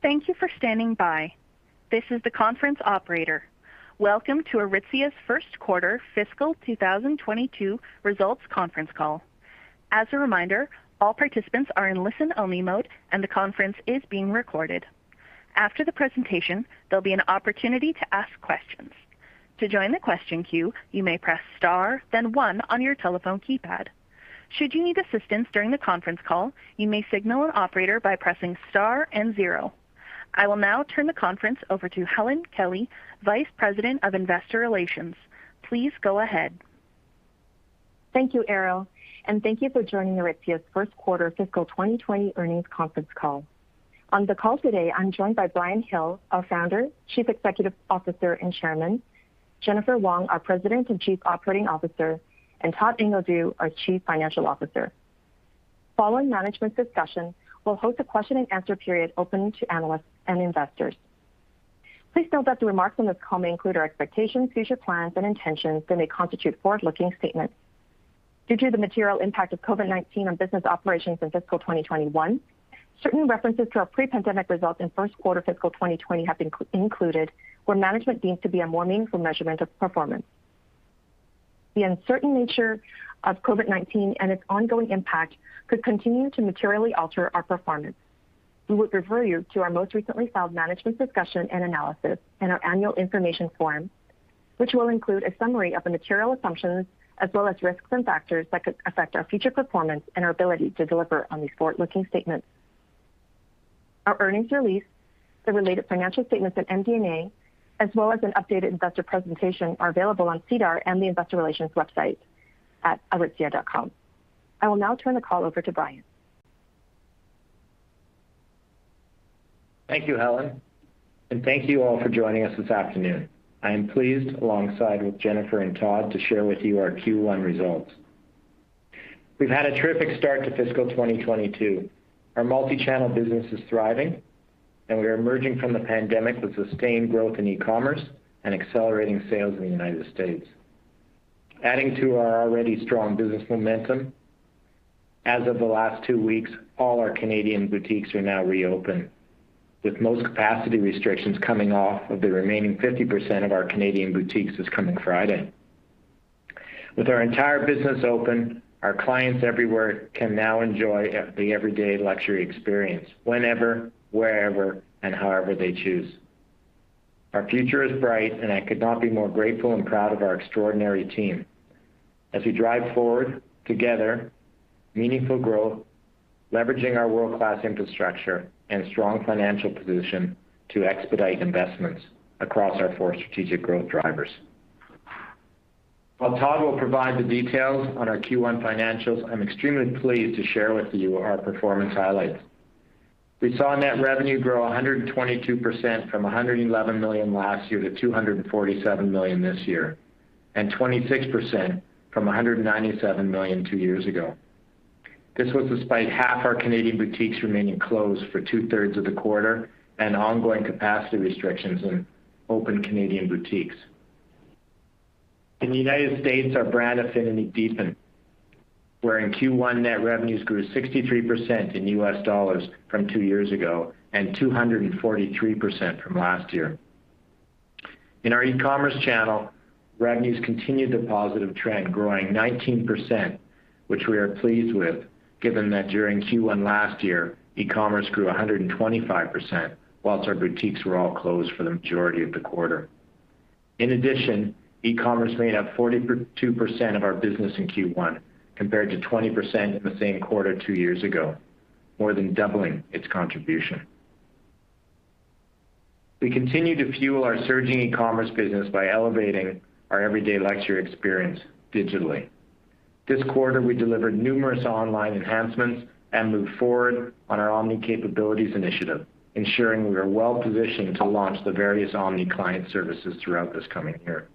Thank you for standing by. This is the conference operator. Welcome to Aritzia's first quarter fiscal 2022 results conference call. As a reminder, all participants are in listen-only mode, and the conference is being recorded. After the presentation, there will be an opportunity to ask questions. To join the question queue, you may press star then one on your telephone keypad. Should you need assistance during the conference call, you may signal an operator by pressing star and zero. I will now turn the conference over to Helen Kelly, Vice President of Investor Relations. Please go ahead. Thank you, Ariel, and thank you for joining Aritzia's first quarter fiscal 2020 earnings conference call. On the call today, I'm joined by Brian Hill, our Founder, Chief Executive Officer, and Chairman, Jennifer Wong, our President and Chief Operating Officer, and Todd Ingledew, our Chief Financial Officer. Following management discussion, we'll host a question and answer period open to analysts and investors. Please note that remarks on this call may include our expectations, future plans, and intentions that may constitute forward-looking statements. Due to the material impact of COVID-19 on business operations in fiscal 2021, certain references to our pre-pandemic results in first quarter fiscal 2020 have been included where management deems it to be a more meaningful measurement of performance. The uncertain nature of COVID-19 and its ongoing impact could continue to materially alter our performance. We would refer you to our most recently filed management discussion and analysis in our annual information form, which will include a summary of the material assumptions as well as risks and factors that could affect our future performance and our ability to deliver on these forward-looking statements. Our earnings release, the related financial statements and MD&A, as well as an updated investor presentation, are available on SEDAR and the investor relations website at aritzia.com. I will now turn the call over to Brian. Thank you, Helen. Thank you all for joining us this afternoon. I am pleased, alongside with Jennifer and Todd, to share with you our Q1 results. We've had a terrific start to fiscal 2022. Our multi-channel business is thriving. We are emerging from the pandemic with sustained growth in e-commerce and accelerating sales in the United States. Adding to our already strong business momentum, as of the last two weeks, all our Canadian boutiques are now reopened, with most capacity restrictions coming off of the remaining 50% of our Canadian boutiques this coming Friday. With our entire business open, our clients everywhere can now enjoy the everyday luxury experience whenever, wherever, and however they choose. Our future is bright. I could not be more grateful and proud of our extraordinary team as we drive forward together meaningful growth, leveraging our world-class infrastructure and strong financial position to expedite investments across our four strategic growth drivers. While Todd will provide the details on our Q1 financials, I'm extremely pleased to share with you our performance highlights. We saw net revenue grow 122% from 111 million last year to 247 million this year, and 26% from 197 million two years ago. This was despite half our Canadian boutiques remaining closed for 2/3 of the quarter and ongoing capacity restrictions in open Canadian boutiques. In the U.S., our brand affinity deepened, where in Q1 net revenues grew 63% in U.S. dollars from two years ago and 243% from last year. In our e-commerce channel, revenues continued the positive trend, growing 19%, which we are pleased with given that during Q1 last year, e-commerce grew 125% whilst our boutiques were all closed for the majority of the quarter. In addition, e-commerce made up 42% of our business in Q1 compared to 20% in the same quarter two years ago, more than doubling its contribution. We continue to fuel our surging e-commerce business by elevating our everyday luxury experience digitally. This quarter, we delivered numerous online enhancements and moved forward on our omni-capabilities initiative, ensuring we are well-positioned to launch the various omni client services throughout this coming year.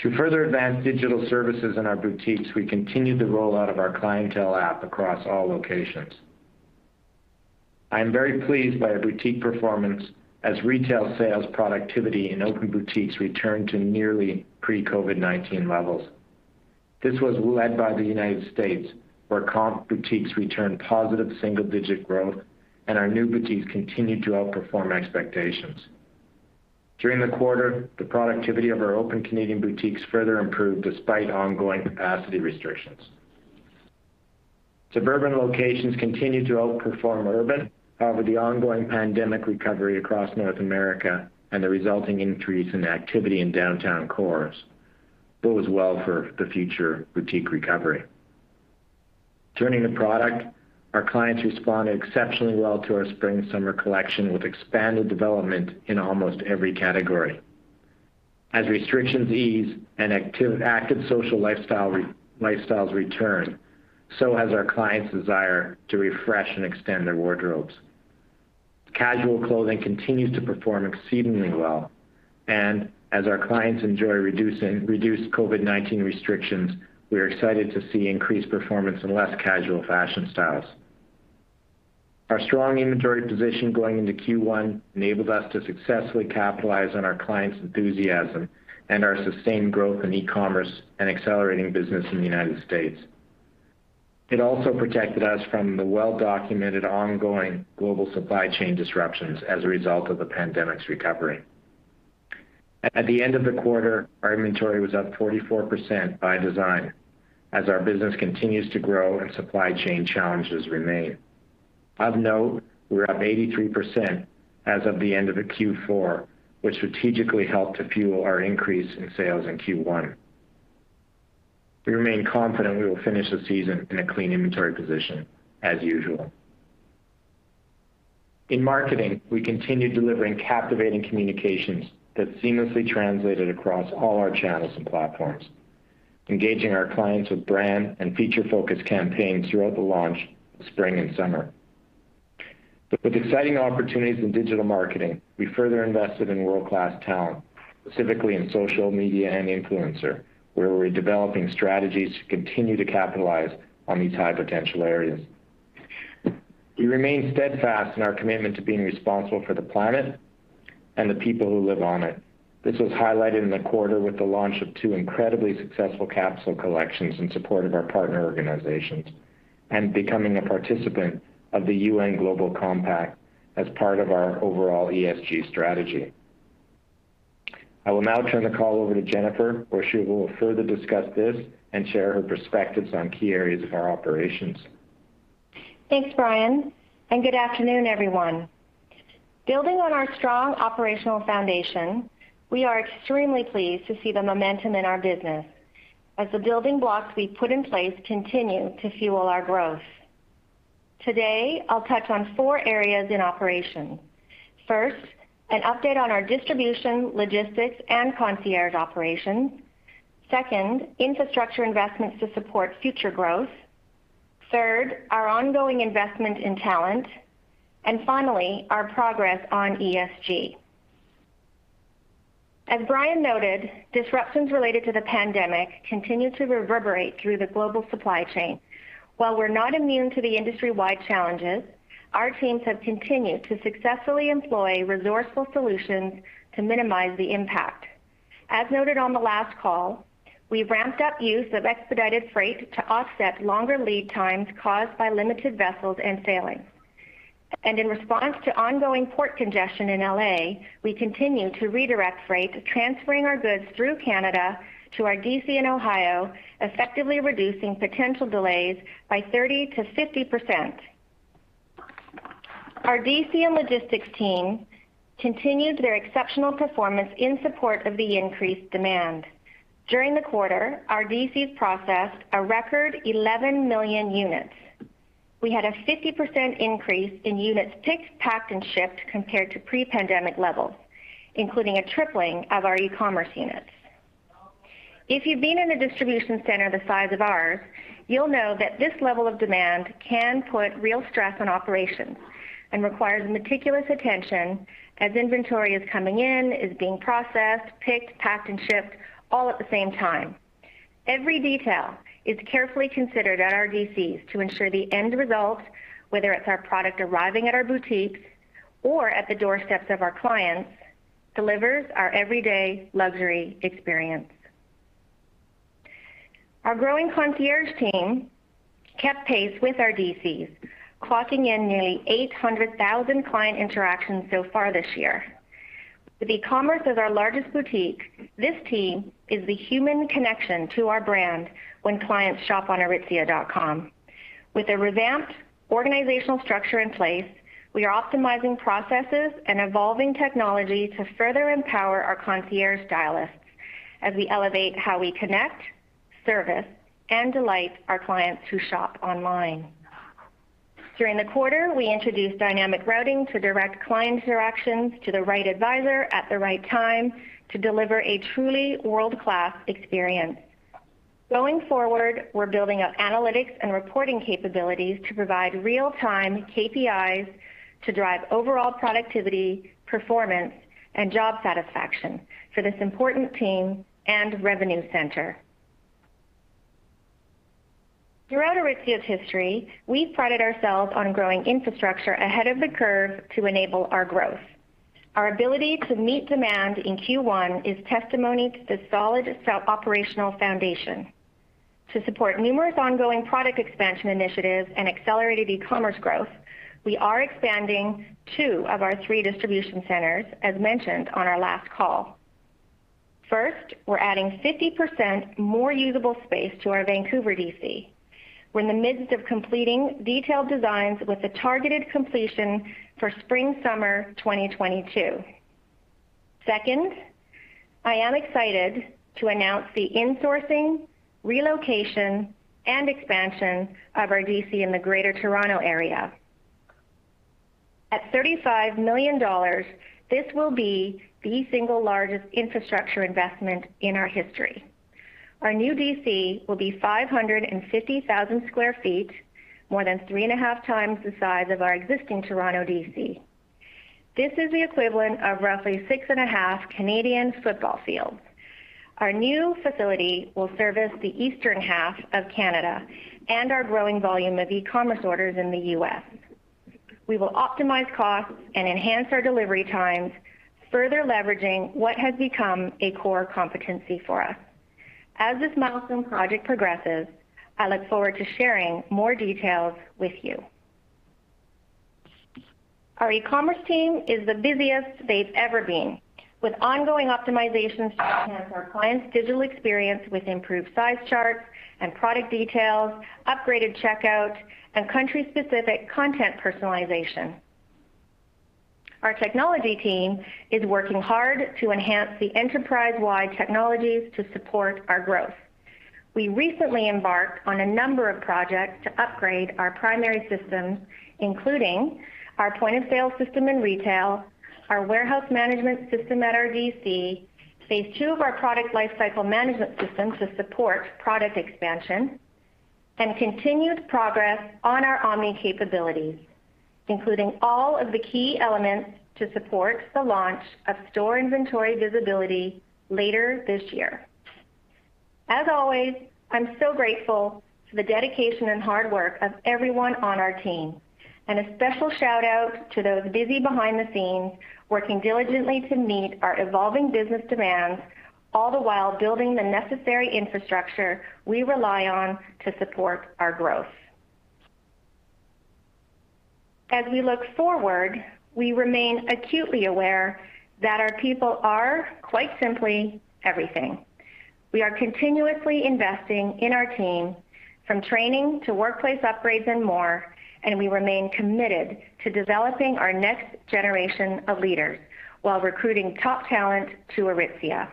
To further advance digital services in our boutiques, we continued the rollout of our clientele app across all locations. I am very pleased by our boutique performance as retail sales productivity in open boutiques returned to nearly pre-COVID-19 levels. This was led by the United States, where comp boutiques returned positive single-digit growth and our new boutiques continued to outperform expectations. During the quarter, the productivity of our open Canadian boutiques further improved despite ongoing capacity restrictions. Suburban locations continued to outperform urban, however, the ongoing pandemic recovery across North America and the resulting increase in activity in downtown cores bodes well for the future boutique recovery. Turning to product, our clients responded exceptionally well to our spring/summer collection with expanded development in almost every category. As restrictions ease and active social lifestyles return, so has our clients' desire to refresh and extend their wardrobes. Casual clothing continues to perform exceedingly well, and as our clients enjoy reduced COVID-19 restrictions, we are excited to see increased performance in less casual fashion styles. Our strong inventory position going into Q1 enabled us to successfully capitalize on our clients' enthusiasm and our sustained growth in e-commerce and accelerating business in the U.S. It also protected us from the well-documented ongoing global supply chain disruptions as a result of the pandemic's recovery. At the end of the quarter, our inventory was up 44% by design. As our business continues to grow, our supply chain challenges remain. Of note, we're up 83% as of the end of the Q4, which strategically helped to fuel our increase in sales in Q1. We remain confident we will finish the season in a clean inventory position as usual. In marketing, we continue delivering captivating communications that seamlessly translated across all our channels and platforms, engaging our clients with brand and feature-focused campaigns throughout the launch of spring and summer. With exciting opportunities in digital marketing, we further invested in world-class talent, specifically in social media and influencer, where we're developing strategies to continue to capitalize on these high-potential areas. We remain steadfast in our commitment to being responsible for the planet and the people who live on it. This was highlighted in the quarter with the launch of two incredibly successful capsule collections in support of our partner organizations and becoming a participant of the UN Global Compact as part of our overall ESG strategy. I will now turn the call over to Jennifer, where she will further discuss this and share her perspectives on key areas of our operations. Thanks, Brian, and good afternoon, everyone. Building on our strong operational foundation, we are extremely pleased to see the momentum in our business as the building blocks we put in place continue to fuel our growth. Today, I'll touch on four areas in operation. First, an update on our distribution, logistics, and concierge operations. Second, infrastructure investments to support future growth. Third, our ongoing investment in talent. Finally, our progress on ESG. As Brian noted, disruptions related to the pandemic continue to reverberate through the global supply chain. While we're not immune to the industry-wide challenges, our teams have continued to successfully employ resourceful solutions to minimize the impact. As noted on the last call, we've ramped up use of expedited freight to offset longer lead times caused by limited vessels and sailings. In response to ongoing port congestion in L.A., we continue to redirect freight, transferring our goods through Canada to our DC in Ohio, effectively reducing potential delays by 30%-50%. Our DC and logistics team continued their exceptional performance in support of the increased demand. During the quarter, our DCs processed a record 11 million units. We had a 50% increase in units picked, packed, and shipped compared to pre-pandemic levels, including a tripling of our e-commerce units. If you've been in a distribution center the size of ours, you'll know that this level of demand can put real stress on operations and requires meticulous attention as inventory is coming in, is being processed, picked, packed, and shipped all at the same time. Every detail is carefully considered at our DCs to ensure the end result, whether it's our product arriving at our boutiques or at the doorsteps of our clients, delivers our everyday luxury experience. Our growing concierge team kept pace with our DCs, clocking in nearly 800,000 client interactions so far this year. With e-commerce as our largest boutique, this team is the human connection to our brand when clients shop on aritzia.com. With a revamped organizational structure in place, we are optimizing processes and evolving technology to further empower our concierge stylists as we elevate how we connect, service, and delight our clients who shop online. During the quarter, we introduced dynamic routing to direct client interactions to the right advisor at the right time to deliver a truly world-class experience. Going forward, we're building out analytics and reporting capabilities to provide real-time KPIs to drive overall productivity, performance, and job satisfaction for this important team and revenue center. Throughout Aritzia's history, we've prided ourselves on growing infrastructure ahead of the curve to enable our growth. Our ability to meet demand in Q1 is testimony to the solid operational foundation. To support numerous ongoing product expansion initiatives and accelerated e-commerce growth, we are expanding two of our three distribution centers, as mentioned on our last call. First, we're adding 50% more usable space to our Vancouver DC. We're in the midst of completing detailed designs with a targeted completion for spring/summer 2022. Second, I am excited to announce the insourcing, relocation, and expansion of our DC in the Greater Toronto Area. At 35 million dollars, this will be the single largest infrastructure investment in our history. Our new DC will be 550,000 sq ft, more than three and a half times the size of our existing Toronto DC. This is the equivalent of roughly six and a half Canadian football fields. Our new facility will service the eastern half of Canada and our growing volume of e-commerce orders in the U.S. We will optimize costs and enhance our delivery times, further leveraging what has become a core competency for us. As this milestone project progresses, I look forward to sharing more details with you. Our e-commerce team is the busiest they've ever been, with ongoing optimizations to enhance our clients' digital experience with improved size charts and product details, upgraded checkout, and country-specific content personalization. Our technology team is working hard to enhance the enterprise-wide technologies to support our growth. We recently embarked on a number of projects to upgrade our primary systems, including our point-of-sale system in retail, our warehouse management system at our DC, phase II of our product lifecycle management system to support product expansion, and continuous progress on our omni capabilities, including all of the key elements to support the launch of store inventory visibility later this year. As always, I'm so grateful for the dedication and hard work of everyone on our team, and a special shout-out to those busy behind the scenes, working diligently to meet our evolving business demands, all the while building the necessary infrastructure we rely on to support our growth. As we look forward, we remain acutely aware that our people are, quite simply, everything. We are continuously investing in our team, from training to workplace upgrades and more, and we remain committed to developing our next generation of leaders while recruiting top talent to Aritzia.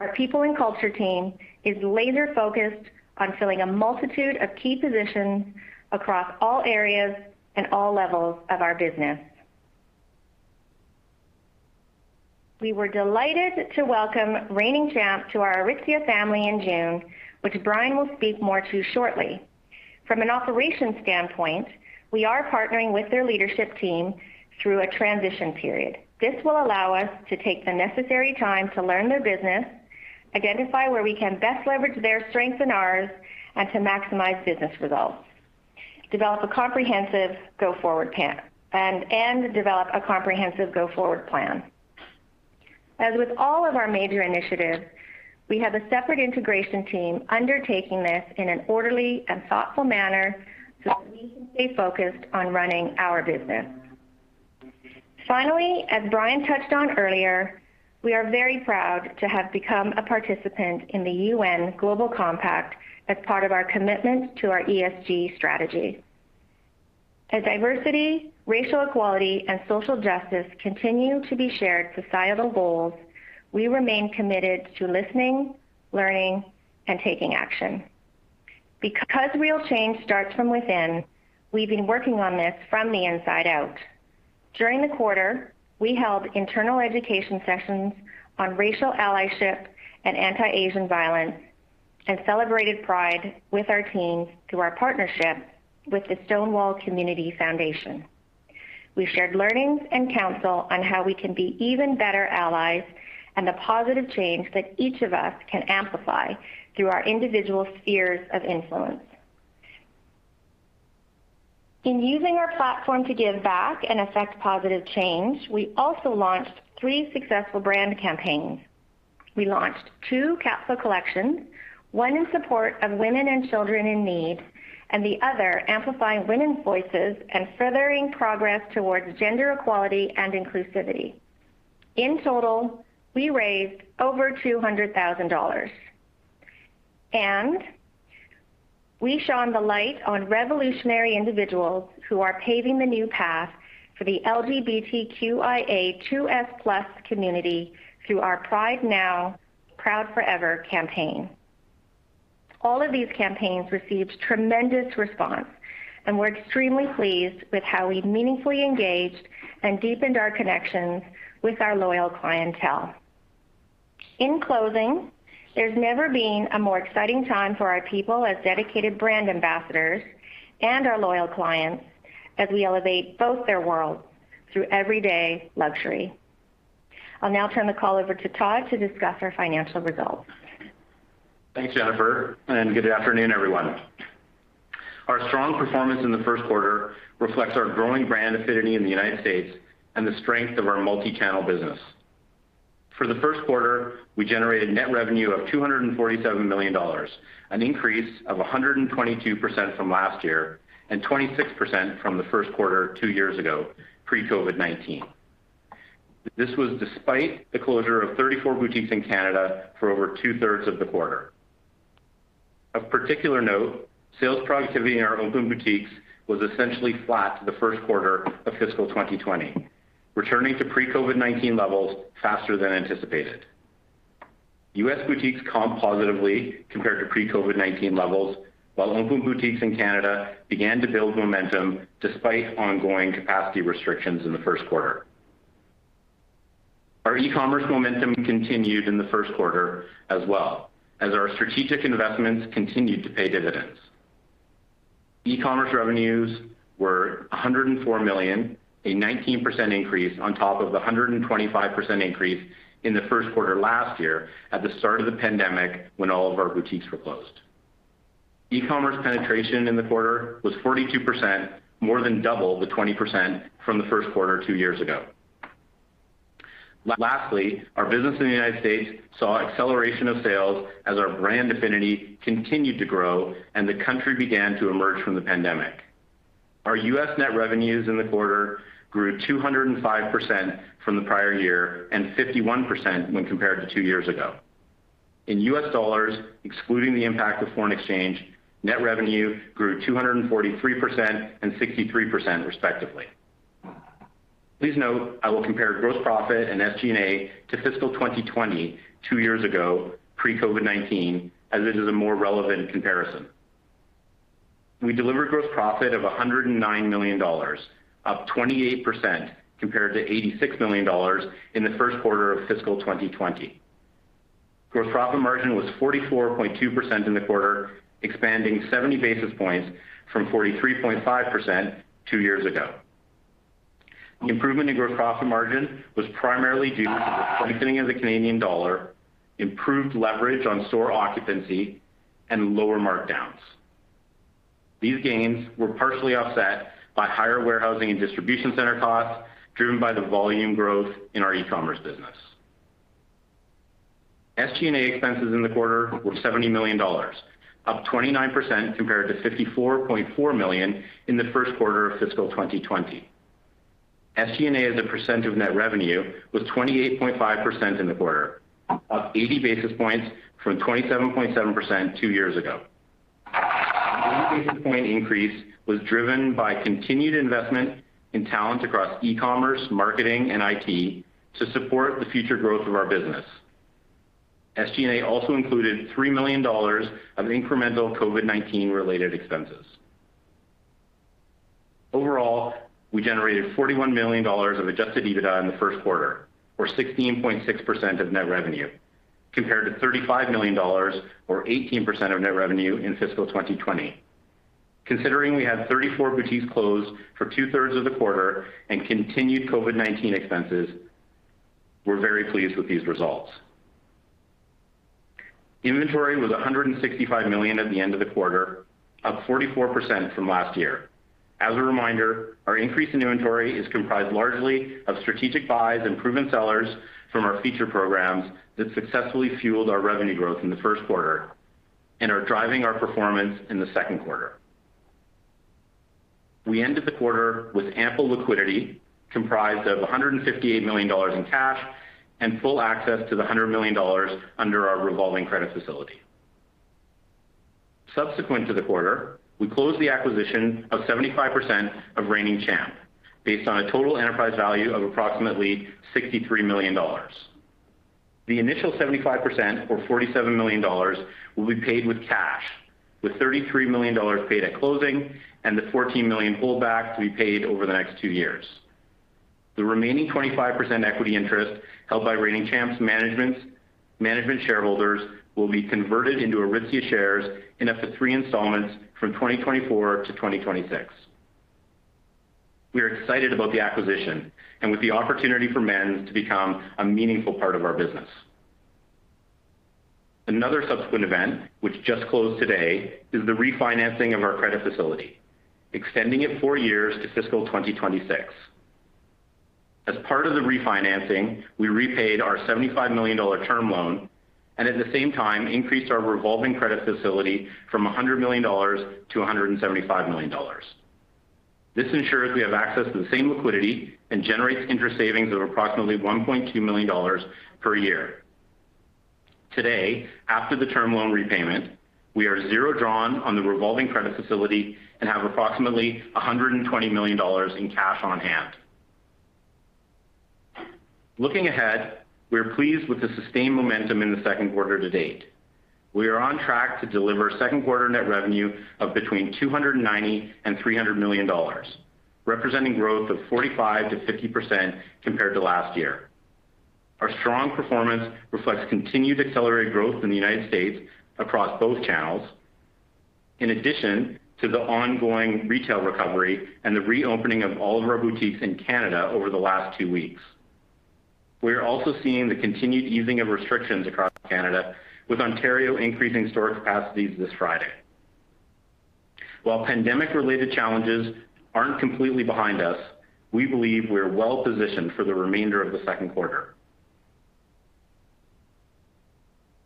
Our people and culture team is laser-focused on filling a multitude of key positions across all areas and all levels of our business. We were delighted to welcome Reigning Champ to our Aritzia family in June, which Brian will speak more to shortly. From an operations standpoint, we are partnering with their leadership team through a transition period. This will allow us to take the necessary time to learn their business, identify where we can best leverage their strengths and ours, and to maximize business results, and develop a comprehensive go-forward plan. As with all of our major initiatives, we have a separate integration team undertaking this in an orderly and thoughtful manner so that we can stay focused on running our business. Finally, as Brian touched on earlier, we are very proud to have become a participant in the UN Global Compact as part of our commitment to our ESG strategy. As diversity, racial equality, and social justice continue to be shared societal goals, we remain committed to listening, learning, and taking action. Because real change starts from within, we've been working on this from the inside out. During the quarter, we held internal education sessions on racial allyship and anti-Asian violence, and celebrated Pride with our teams through our partnership with the Stonewall Community Foundation. We shared learnings and counsel on how we can be even better allies, and the positive change that each of us can amplify through our individual spheres of influence. In using our platform to give back and affect positive change, we also launched three successful brand campaigns. We launched two capsule collections, one in support of women and children in need, and the other amplifying women's voices and furthering progress towards gender equality and inclusivity. In total, we raised over 200,000 dollars, and we shone a light on revolutionary individuals who are paving the new path for the LGBTQIA2S+ community through our Pride Now, Pride Forever campaign. All of these campaigns received tremendous response, and we're extremely pleased with how we meaningfully engaged and deepened our connections with our loyal clientele. In closing, there's never been a more exciting time for our people as dedicated brand ambassadors and our loyal clients as we elevate both their worlds through everyday luxury. I'll now turn the call over to Todd to discuss our financial results. Thanks, Jennifer, and good afternoon, everyone. Our strong performance in the first quarter reflects our growing brand affinity in the United States and the strength of our multi-channel business. For the first quarter, we generated net revenue of 247 million dollars, an increase of 122% from last year, and 26% from the first quarter two years ago, pre-COVID-19. This was despite the closure of 34 boutiques in Canada for over 2/3 of the quarter. Of particular note, sales productivity in our open boutiques was essentially flat to the first quarter of fiscal 2020, returning to pre-COVID-19 levels faster than anticipated. U.S. boutiques comp positively compared to pre-COVID-19 levels, while open boutiques in Canada began to build momentum despite ongoing capacity restrictions in the first quarter. Our e-commerce momentum continued in the first quarter as well, as our strategic investments continued to pay dividends. E-commerce revenues were 104 million, a 19% increase on top of the 125% increase in the first quarter last year at the start of the pandemic when all of our boutiques were closed. E-commerce penetration in the quarter was 42%, more than double the 20% from the 1st quarter two years ago. Lastly, our business in the United States saw acceleration of sales as our brand affinity continued to grow and the country began to emerge from the pandemic. Our U.S. net revenues in the quarter grew 205% from the prior year, and 51% when compared to two years ago. In U.S. dollars, excluding the impact of foreign exchange, net revenue grew 243% and 63% respectively. Please note, I will compare gross profit and SG&A to fiscal 2020 two years ago, pre-COVID-19, as it is a more relevant comparison. We delivered gross profit of 109 million dollars, up 28% compared to 86 million dollars in the first quarter of fiscal 2020. Gross profit margin was 44.2% in the quarter, expanding 70 basis points from 43.5% two years ago. Improvement in gross profit margin was primarily due to the strengthening of the Canadian dollar, improved leverage on store occupancy, and lower markdowns. These gains were partially offset by higher warehousing and distribution center costs driven by the volume growth in our e-commerce business. SG&A expenses in the quarter were 70 million dollars, up 29% compared to 54.4 million in the first quarter of fiscal 2020. SG&A as a percent of net revenue was 28.5% in the quarter, up 80 basis points from 27.7% two years ago. The 100 basis point increase was driven by continued investment in talent across e-commerce, marketing, and IT to support the future growth of our business. SG&A also included 3 million dollars of incremental COVID-19-related expenses. Overall, we generated 41 million dollars of adjusted EBITDA in the first quarter, or 16.6% of net revenue, compared to 35 million dollars or 18% of net revenue in fiscal 2020. Considering we had 34 boutiques closed for 2/3 of the quarter and continued COVID-19 expenses, we're very pleased with these results. Inventory was 165 million at the end of the quarter, up 44% from last year. As a reminder, our increase in inventory is comprised largely of strategic buys and proven sellers from our feature programs that successfully fueled our revenue growth in the first quarter and are driving our performance in the second quarter. We ended the quarter with ample liquidity comprised of 158 million dollars in cash and full access to the 100 million dollars under our revolving credit facility. Subsequent to the quarter, we closed the acquisition of 75% of Reigning Champ based on a total enterprise value of approximately 63 million dollars. The initial 75%, or 47 million dollars, will be paid with cash, with 33 million dollars paid at closing and the 14 million pullback to be paid over the next two years. The remaining 25% equity interest held by Reigning Champ's management shareholders will be converted into Aritzia shares in up to three installments from 2024-2026. We are excited about the acquisition and with the opportunity for men's to become a meaningful part of our business. Another subsequent event, which just closed today, is the refinancing of our credit facility, extending it four years to fiscal 2026. As part of the refinancing, we repaid our 75 million dollar term loan and at the same time increased our revolving credit facility from 100 million-175 million dollars. This ensures we have access to the same liquidity and generates interest savings of approximately 1.2 million dollars per year. Today, after the term loan repayment, we are zero drawn on the revolving credit facility and have approximately 120 million dollars in cash on hand. Looking ahead, we are pleased with the sustained momentum in the second quarter to date. We are on track to deliver second quarter net revenue of between 290 million and 300 million dollars, representing growth of 45%-50% compared to last year. Our strong performance reflects continued accelerated growth in the U.S. across both channels, in addition to the ongoing retail recovery and the reopening of all of our boutiques in Canada over the last two weeks. We are also seeing the continued easing of restrictions across Canada, with Ontario increasing store capacities this Friday. While pandemic-related challenges aren't completely behind us, we believe we are well-positioned for the remainder of the second quarter.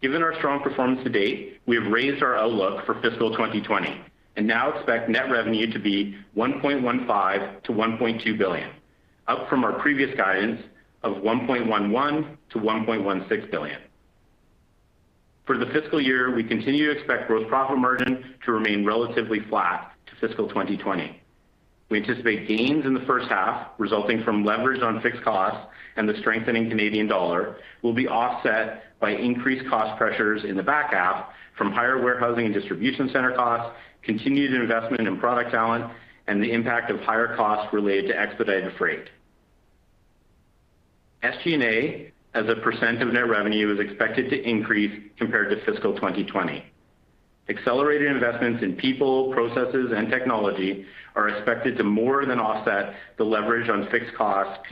Given our strong performance to date, we have raised our outlook for fiscal 2020 and now expect net revenue to be 1.15 billion-1.2 billion, up from our previous guidance of 1.11 billion-1.16 billion. For the fiscal year, we continue to expect gross profit margin to remain relatively flat to fiscal 2020. We anticipate gains in the first half resulting from leverage on fixed costs and the strengthening Canadian dollar will be offset by increased cost pressures in the back half from higher warehousing and distribution center costs, continued investment in product talent, and the impact of higher costs related to expedited freight. SG&A as a percent of net revenue is expected to increase compared to fiscal 2020. Accelerated investments in people, processes, and technology are expected to more than offset the leverage on fixed costs,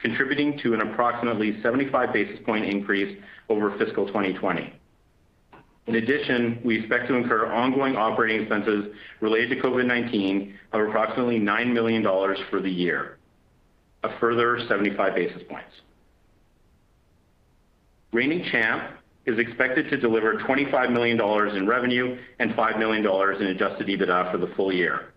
contributing to an approximately 75 basis point increase over fiscal 2020. In addition, we expect to incur ongoing operating expenses related to COVID-19 of approximately 9 million dollars for the year, a further 75 basis points. Reigning Champ is expected to deliver 25 million dollars in revenue and 5 million dollars in adjusted EBITDA for the full year.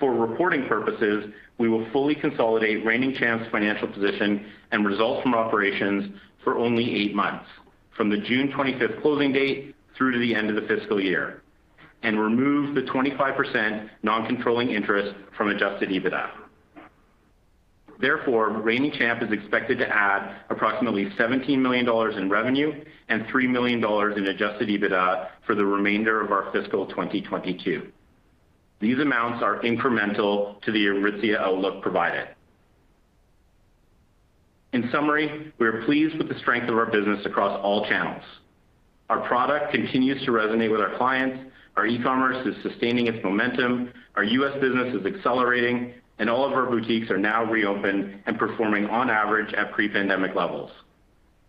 For reporting purposes, we will fully consolidate Reigning Champ's financial position and results from operations for only eight months, from the June 25th closing date through to the end of the fiscal year, and remove the 25% non-controlling interest from adjusted EBITDA. Therefore, Reigning Champ is expected to add approximately 17 million dollars in revenue and 3 million dollars in adjusted EBITDA for the remainder of our fiscal 2022. These amounts are incremental to the Aritzia outlook provided. In summary, we are pleased with the strength of our business across all channels. Our product continues to resonate with our clients, our e-commerce is sustaining its momentum, our U.S. business is accelerating, and all of our boutiques are now reopened and performing on average at pre-pandemic levels.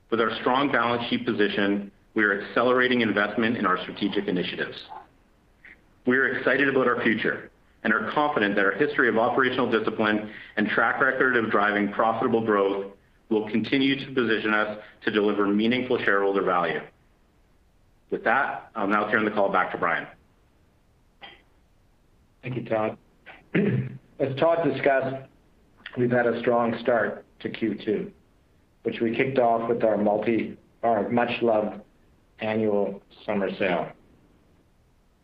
With our strong balance sheet position, we are accelerating investment in our strategic initiatives. We are excited about our future and are confident that our history of operational discipline and track record of driving profitable growth will continue to position us to deliver meaningful shareholder value. With that, I'll now turn the call back to Brian. Thank you, Todd. As Todd discussed, we've had a strong start to Q2, which we kicked off with our much-loved annual summer sale.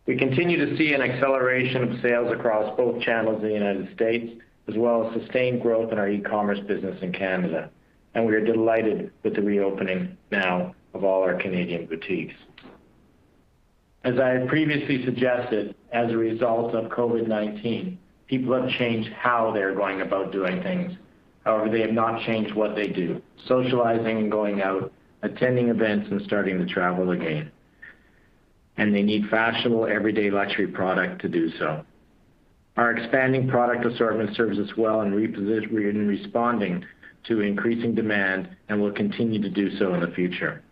We continue to see an acceleration of sales across both channels in the United States, as well as sustained growth in our e-commerce business in Canada, and we are delighted with the reopening now of all our Canadian boutiques. As I had previously suggested, as a result of COVID-19, people have changed how they're going about doing things. However, they have not changed what they do, socializing and going out, attending events, and starting to travel again, and they need fashionable everyday luxury product to do so. Our expanding product assortment serves us well in responding to increasing demand and will continue to do so in the future.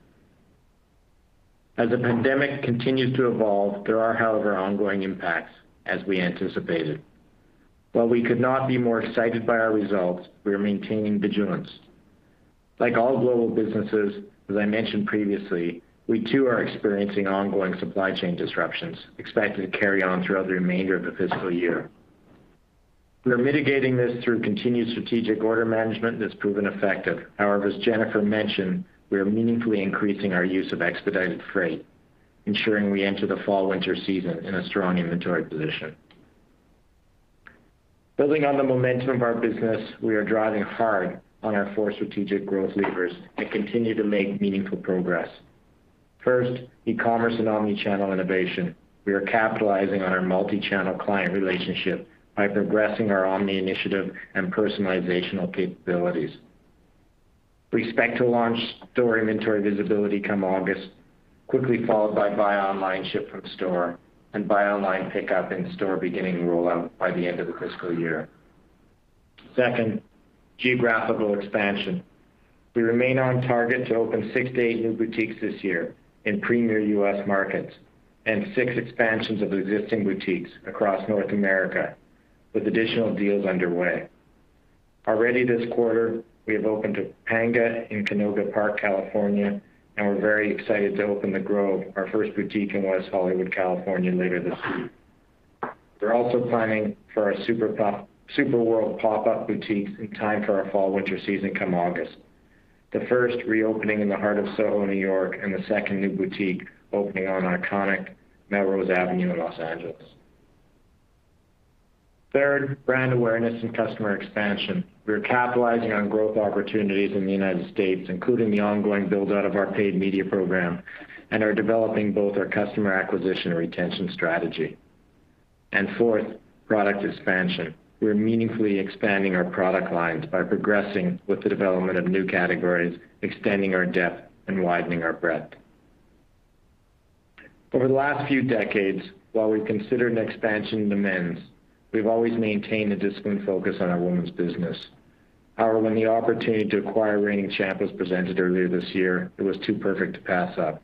As the pandemic continues to evolve, there are, however, ongoing impacts, as we anticipated. While we could not be more excited by our results, we are maintaining vigilance. Like all global businesses, as I mentioned previously, we too are experiencing ongoing supply chain disruptions expected to carry on throughout the remainder of the fiscal year. We are mitigating this through continued strategic order management that's proven effective. However, as Jennifer mentioned, we are meaningfully increasing our use of expedited freight, ensuring we enter the fall/winter season in a strong inventory position. Building on the momentum of our business, we are driving hard on our four strategic growth levers and continue to make meaningful progress. First, e-commerce and omnichannel innovation. We are capitalizing on our multi-channel client relationship by progressing our omni initiative and personalizational capabilities. We expect to launch store inventory visibility come August, quickly followed by buy online, ship from store, and buy online, pickup in store beginning rollout by the end of the fiscal year. Second, geographical expansion. We remain on target to open six-eight new boutiques this year in premier U.S. markets and six expansions of existing boutiques across North America, with additional deals underway. Already this quarter, we have opened Topanga in Canoga Park, California, and we're very excited to open The Grove, our first boutique in West Hollywood, California, later this week. We're also planning for our Super World pop-up boutiques in time for our fall/winter season come August, the first reopening in the heart of SoHo, New York, and the second new boutique opening on iconic Melrose Avenue in L.A. Third, brand awareness and customer expansion. We are capitalizing on growth opportunities in the United States, including the ongoing build-out of our paid media program, and are developing both our customer acquisition and retention strategy. Fourth, product expansion. We are meaningfully expanding our product lines by progressing with the development of new categories, extending our depth, and widening our breadth. Over the last few decades, while we've considered an expansion into men's, we've always maintained a disciplined focus on our women's business. However, when the opportunity to acquire Reigning Champ was presented earlier this year, it was too perfect to pass up.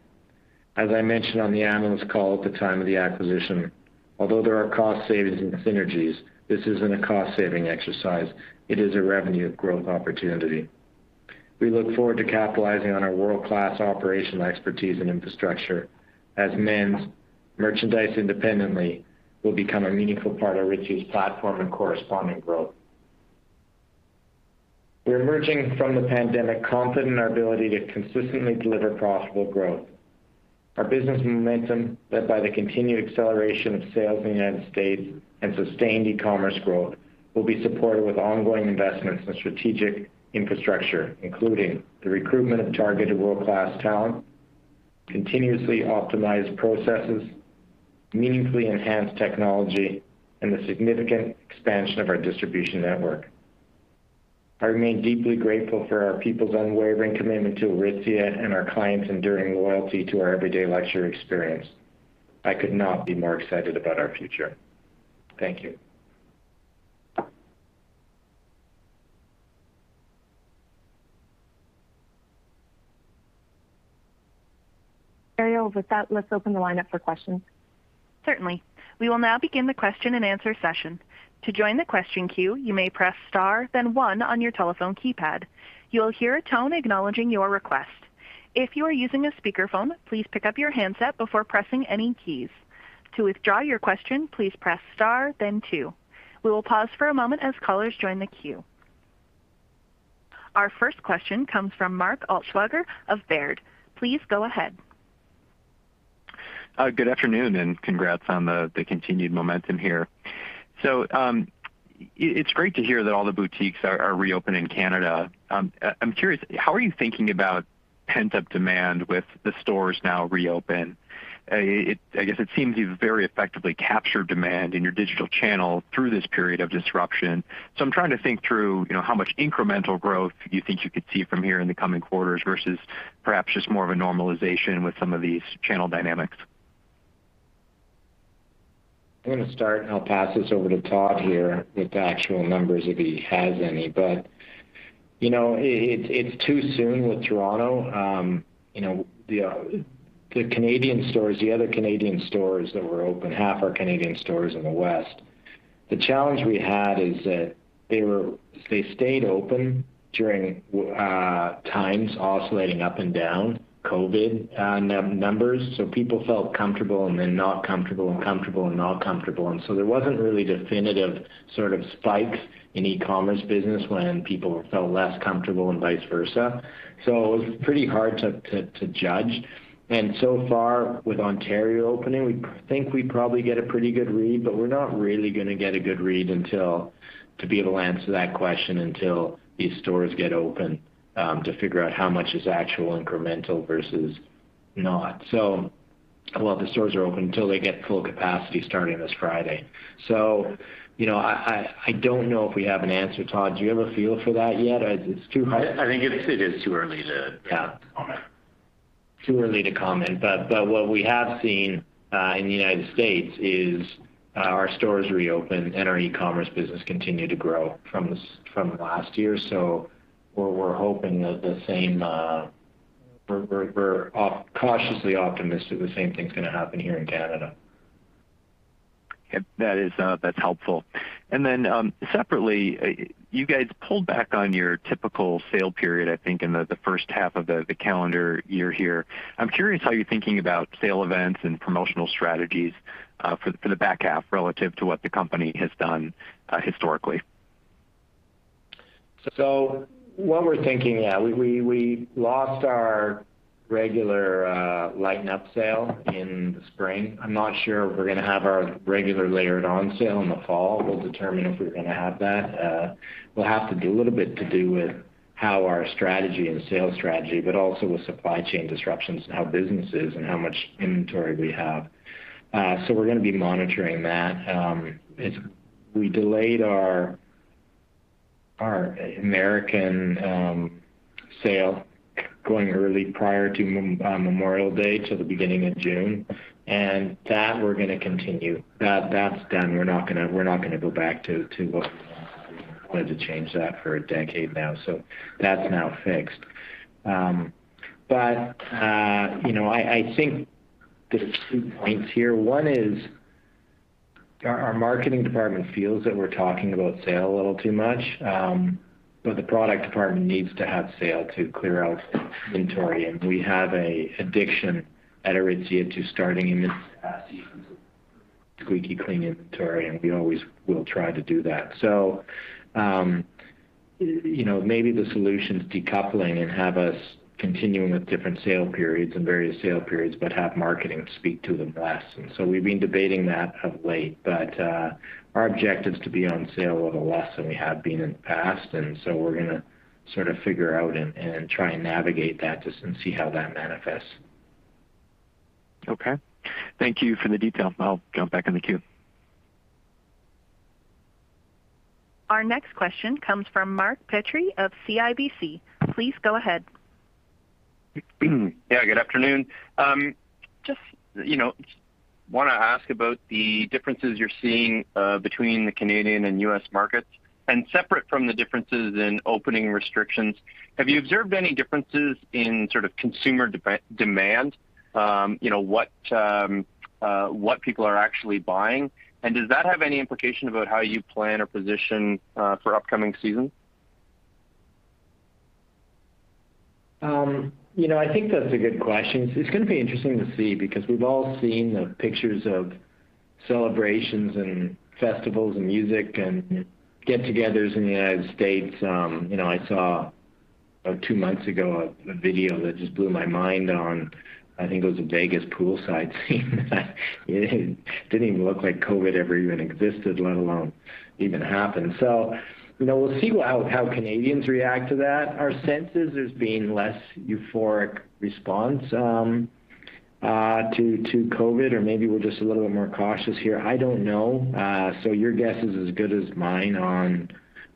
As I mentioned on the analyst call at the time of the acquisition, although there are cost savings and synergies, this isn't a cost-saving exercise. It is a revenue growth opportunity. We look forward to capitalizing on our world-class operational expertise and infrastructure as men's merchandise independently will become a meaningful part of Aritzia's platform and corresponding growth. We are emerging from the pandemic confident in our ability to consistently deliver profitable growth. Our business momentum, led by the continued acceleration of sales in the United States and sustained e-commerce growth, will be supported with ongoing investments in strategic infrastructure, including the recruitment of targeted world-class talent, continuously optimized processes, meaningfully enhanced technology, and the significant expansion of our distribution network. I remain deeply grateful for our people's unwavering commitment to Aritzia and our clients' enduring loyalty to our everyday luxury experience. I could not be more excited about our future. Thank you. Ariel, with that, let's open the line up for questions. Certainly. We will now begin the question and answer session. To join the question queue, you may press star then one on your telephone keypad. You will hear a tone acknowledging your request. If you are using a speakerphone, please pick up your handset before pressing any keys. To withdraw your question, please press star then two. We will pause for a moment as callers join the queue. Our first question comes from Mark Altschwager of Baird. Please go ahead. Good afternoon, and congrats on the continued momentum here. It's great to hear that all the boutiques are reopen in Canada. I'm curious, how are you thinking about pent-up demand with the stores now reopen? I guess it seems you've very effectively captured demand in your digital channel through this period of disruption. I'm trying to think through how much incremental growth you think you could see from here in the coming quarters versus perhaps just more of a normalization with some of these channel dynamics? I'm going to start. I'll pass this over to Todd here with the actual numbers if he has any. It's too soon with Toronto. The other Canadian stores that were open, half our Canadian stores in the West. The challenge we had is that they stayed open during times oscillating up and down COVID numbers. People felt comfortable and then not comfortable and comfortable and not comfortable. There wasn't really definitive spike in e-commerce business when people felt less comfortable and vice versa. It was pretty hard to judge. So far with Ontario opening, we think we probably get a pretty good read. We're not really going to get a good read to be able to answer that question until these stores get open to figure out how much is actual incremental versus not. Well, the stores are open until they get full capacity starting this Friday. I don't know if we have an answer. Todd, do you have a feel for that yet? It's too hard. I think it is too early to comment. Too early to comment. What we have seen in the U.S. is our stores reopen and our e-commerce business continue to grow from last year. We're cautiously optimistic the same thing's going to happen here in Canada. That's helpful. Separately, you guys pulled back on your typical sale period, I think, in the first half of the calendar year here. I'm curious how you're thinking about sale events and promotional strategies for the back half relative to what the company has done historically? What we're thinking, yeah, we lost our regular Lighten Up sale in the spring. I'm not sure if we're going to have our regular Layer It On sale in the fall. We'll determine if we're going to have that. It will have to do a little bit to do with how our strategy and sales strategy, but also with supply chain disruptions and how business is and how much inventory we have. We're going to be monitoring that. We delayed our American sale going early prior to Memorial Day to the beginning of June, and that we're going to continue. That's done. We're not going to go back to what we wanted to change that for a decade now, so that's now fixed. I think there's two points here. One is our marketing department feels that we're talking about sale a little too much. The product department needs to have sale to clear out inventory, and we have a addiction at Aritzia to starting a new season, so squeaky clean inventory, and we always will try to do that. Maybe the solution is decoupling and have us continuing with different sale periods and various sale periods, but have marketing speak to them less. We've been debating that of late. Our objective is to be on sale a little less than we have been in the past, and so we're going to figure out and try and navigate that just and see how that manifests. Okay. Thank you for the detail. I'll jump back in the queue. Our next question comes from Mark Petrie of CIBC. Please go ahead. Yeah, good afternoon. Just want to ask about the differences you're seeing between the Canadian and U.S. markets. Separate from the differences in opening restrictions, have you observed any differences in consumer demand, what people are actually buying? Does that have any implication about how you plan or position for upcoming seasons? I think that's a good question. It's going to be interesting to see because we've all seen the pictures of celebrations and festivals and music and get-togethers in the United States. I saw two months ago a video that just blew my mind on, I think it was a Vegas poolside scene that it didn't even look like COVID ever even existed, let alone even happened. We'll see how Canadians react to that. Our sense is there's been less euphoric response to COVID, or maybe we're just a little bit more cautious here. I don't know. Your guess is as good as mine on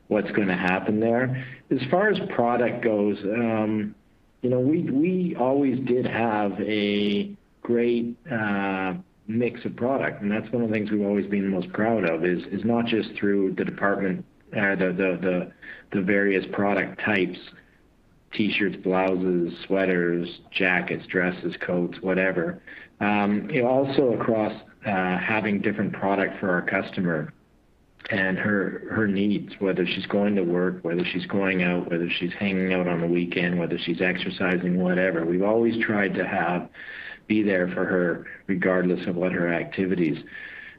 what's going to happen there. As far as product goes, we always did have a great mix of product, and that's one of the things we've always been most proud of, is not just through the various product types, T-shirts, blouses, sweaters, jackets, dresses, coats, whatever. Across having different product for our customer and her needs, whether she's going to work, whether she's going out, whether she's hanging out on a weekend, whether she's exercising, whatever. We've always tried to be there for her regardless of what her activity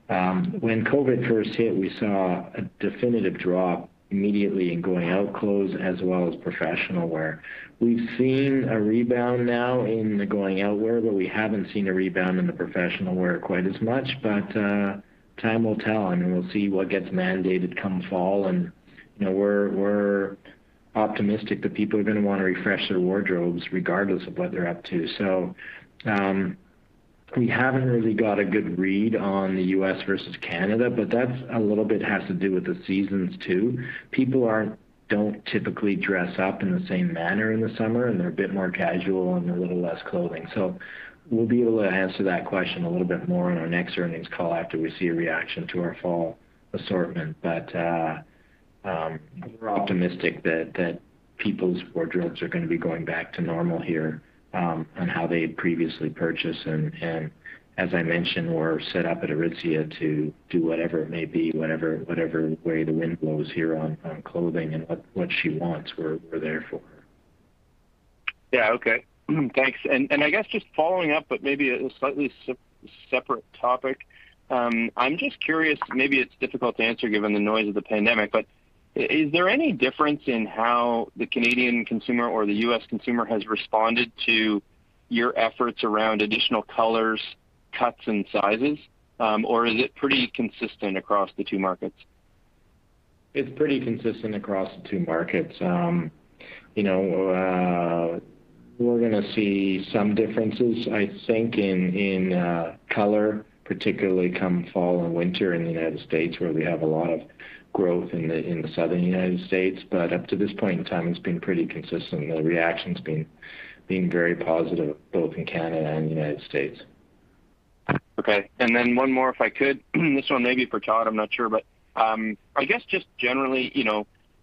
is. When COVID first hit, we saw a definitive drop immediately in going-out clothes as well as professional wear. We've seen a rebound now in the going-out wear, but we haven't seen a rebound in the professional wear quite as much, but time will tell, and we'll see what gets mandated come fall. We're optimistic that people are going to want to refresh their wardrobes regardless of what they're up to. We haven't really got a good read on the U.S. versus Canada, but that a little bit has to do with the seasons, too. People don't typically dress up in the same manner in the summer, and they're a bit more casual and a little less clothing. We'll be able to answer that question a little bit more on our next earnings call after we see a reaction to our fall assortment. We're optimistic that people's wardrobes are going to be going back to normal here, and how they had previously purchased. As I mentioned, we're set up at Aritzia to do whatever it may be, whatever way the wind blows here on clothing and what she wants, we're there for her. Yeah. Okay. Thanks. I guess just following up, but maybe a slightly separate topic. I'm just curious, maybe it's difficult to answer given the noise of the pandemic, but is there any difference in how the Canadian consumer or the U.S. consumer has responded to your efforts around additional colors, cuts, and sizes? Or is it pretty consistent across the two markets? It's pretty consistent across the two markets. We're going to see some differences, I think, in color, particularly come fall and winter in the United States, where we have a lot of growth in the Southern United States. Up to this point in time, it's been pretty consistent. The reaction's been very positive, both in Canada and the United States. Okay, one more, if I could. This one may be for Todd, I'm not sure. I guess just generally,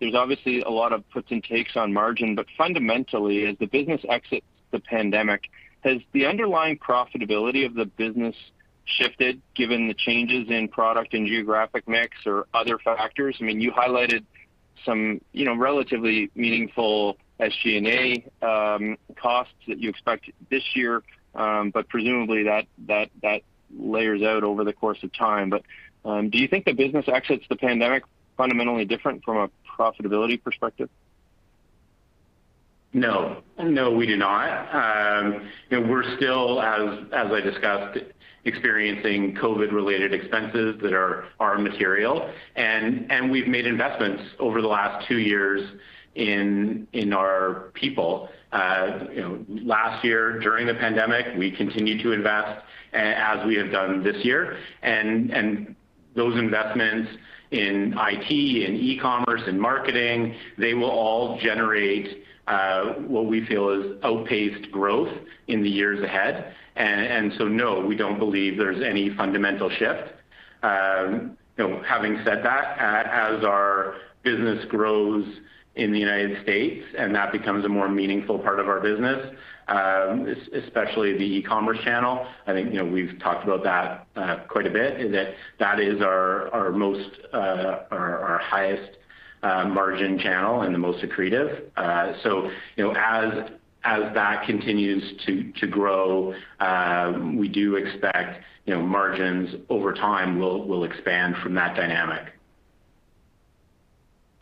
there's obviously a lot of puts and takes on margin. Fundamentally, as the business exits the pandemic, has the underlying profitability of the business shifted given the changes in product and geographic mix or other factors? You highlighted some relatively meaningful SG&A costs that you expect this year, presumably that layers out over the course of time. Do you think the business exits the pandemic fundamentally different from a profitability perspective? No. No, we do not. We're still, as I discussed, experiencing COVID-related expenses that are material, and we've made investments over the last two years in our people. Last year, during the pandemic, we continued to invest, as we have done this year. Those investments in IT, in e-commerce, in marketing, they will all generate what we feel is outpaced growth in the years ahead. No, we don't believe there's any fundamental shift. Having said that, as our business grows in the U.S. and that becomes a more meaningful part of our business, especially the e-commerce channel, I think we've talked about that quite a bit, that is our highest margin channel and the most accretive. As that continues to grow, we do expect margins over time will expand from that dynamic.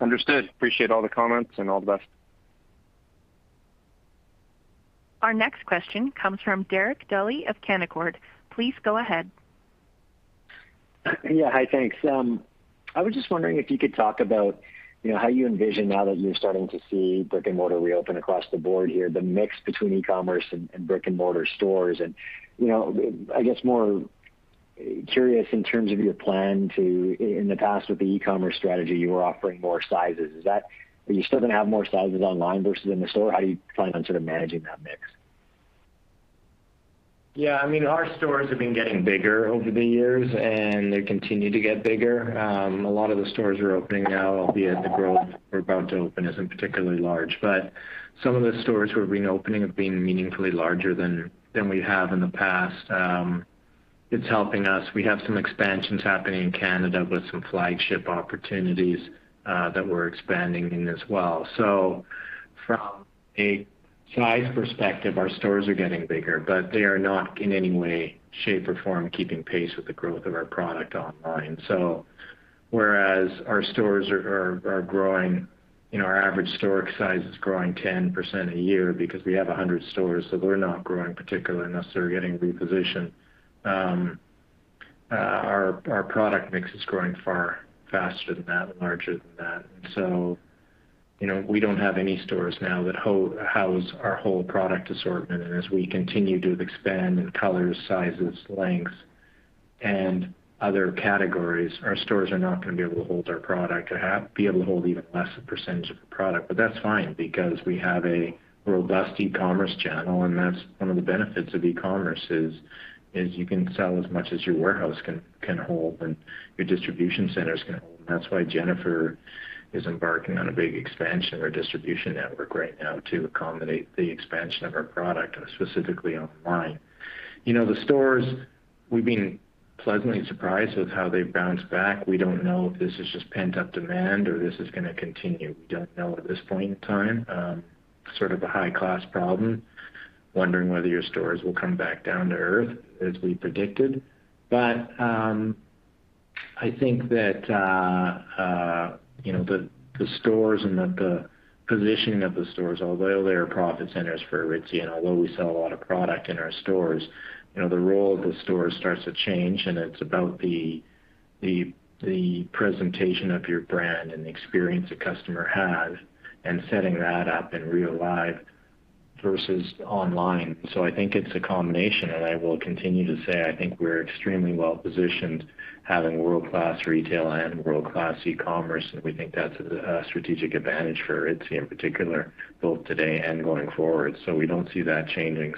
Understood. Appreciate all the comments and all the best. Our next question comes from Derek Dley of Canaccord. Please go ahead. Yeah. Hi, thanks. I was just wondering if you could talk about how you envision, now that you're starting to see brick-and-mortar reopen across the board here, the mix between e-commerce and brick-and-mortar stores. I guess more curious in terms of your plan to, in the past with the e-commerce strategy, you were offering more sizes. Are you still going to have more sizes online versus in the store? How are you planning on sort of managing that mix? Yeah. Our stores have been getting bigger over the years, and they continue to get bigger. A lot of the stores we're opening now, albeit the growth we're about to open isn't particularly large. Some of the stores we've been opening have been meaningfully larger than we have in the past. It's helping us. We have some expansions happening in Canada with some flagship opportunities that we're expanding in as well. From a size perspective, our stores are getting bigger, but they are not in any way, shape, or form keeping pace with the growth of our product online. Whereas our stores are growing, our average store size is growing 10% a year because we have 100 stores, so they're not growing particularly, necessarily getting repositioned. Our product mix is growing far faster than that and larger than that. We don't have any stores now that house our whole product assortment, and as we continue to expand in colors, sizes, lengths and other categories, our stores are not going to be able to hold our product or be able to hold even less of a percentage of the product. That's fine because we have a robust e-commerce channel, and that's one of the benefits of e-commerce is you can sell as much as your warehouse can hold and your distribution centers can hold. That's why Jennifer is embarking on a big expansion of our distribution network right now to accommodate the expansion of our product, specifically online. The stores, we've been pleasantly surprised with how they've bounced back. We don't know if this is just pent-up demand or this is going to continue. We don't know at this point in time. Sort of a high-cost problem, wondering whether your stores will come back down to earth as we predicted. I think that the stores and the positioning of the stores, although they are profit centers for Aritzia, and although we sell a lot of product in our stores, the role of the stores starts to change, and it's about the presentation of your brand and the experience the customer has and setting that up in real life versus online. I think it's a combination, and I will continue to say, I think we're extremely well-positioned having world-class retail and world-class e-commerce, and we think that's a strategic advantage for Aritzia in particular, both today and going forward. We don't see that changing.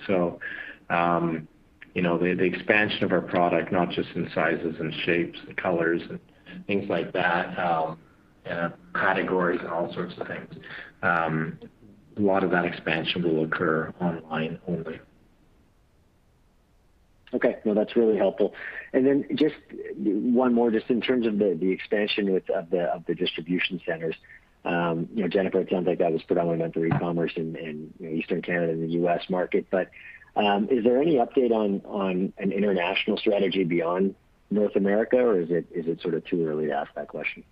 The expansion of our product, not just in sizes and shapes and colors and things like that, and categories and all sorts of things, a lot of that expansion will occur online only. Okay. No, that's really helpful. Then just one more, just in terms of the expansion of the distribution centers. Jennifer, it sounds like that was throwing onto e-commerce in Eastern Canada and the U.S. market. Is there any update on an international strategy beyond North America, or is it sort of too early to ask that question?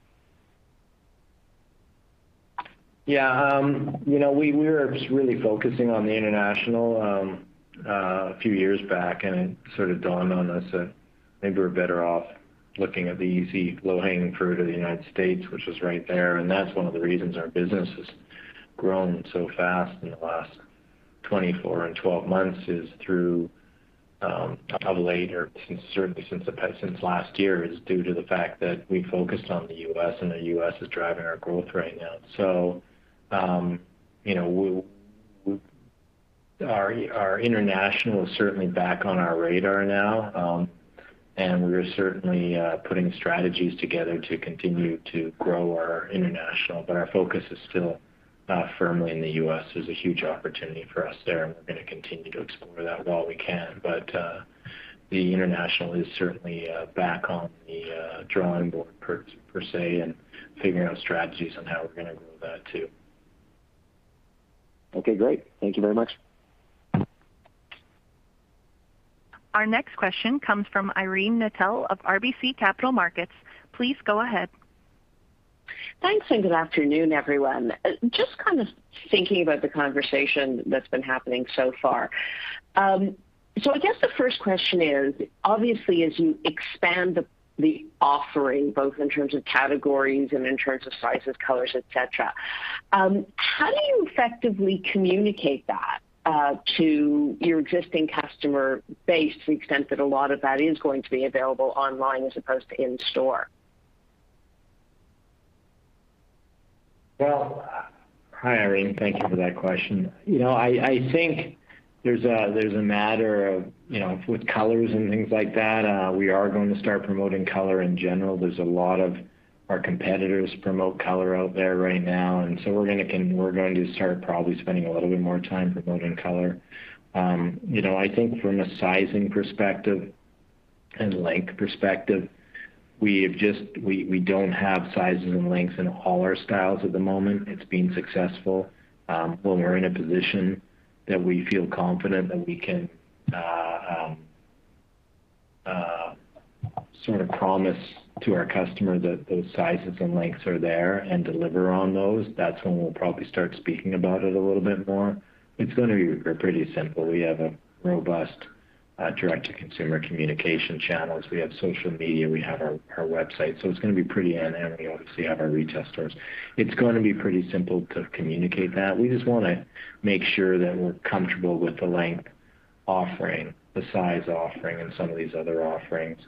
We were just really focusing on the international a few years back, and it sort of dawned on us that maybe we're better off looking at the easy low-hanging fruit of the United States, which is right there. That's one of the reasons our business has grown so fast in the last 24 and 12 months is through, probably since last year, is due to the fact that we focused on the U.S. and the U.S. is driving our growth right now. Our international is certainly back on our radar now. We're certainly putting strategies together to continue to grow our international, but our focus is still firmly in the U.S. There's a huge opportunity for us there, and we're going to continue to explore that while we can. The international is certainly back on the drawing board per se, and figuring out strategies on how we're going to grow that, too. Okay, great. Thank you very much. Our next question comes from Irene Nattel of RBC Capital Markets. Please go ahead. Thanks. Good afternoon, everyone. Just kind of thinking about the conversation that's been happening so far. I guess the first question is, obviously, as you expand the offering, both in terms of categories and in terms of sizes, colors, et cetera, how do you effectively communicate that to your existing customer base to the extent that a lot of that is going to be available online as opposed to in store? Well, hi, Irene. Thank you for that question. I think there's a matter of, with colors and things like that, we are going to start promoting color in general. There's a lot of our competitors promote color out there right now, we're going to start probably spending a little bit more time promoting color. I think from a sizing perspective and length perspective, we don't have sizes and lengths in all our styles at the moment. It's been successful. We're in a position that we feel confident that we can sort of promise to our customer that those sizes and lengths are there and deliver on those. That's when we'll probably start speaking about it a little bit more. It's going to be pretty simple. We have robust direct-to-consumer communication channels. We have social media, we have our website, and we obviously have our retail stores. It's going to be pretty simple to communicate that. We just want to make sure that we're comfortable with the length offering, the size offering, and some of these other offerings.